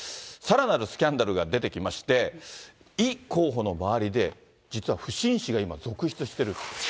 さらなるスキャンダルが出てきまして、イ候補の周りで実は不審死が今、続出している。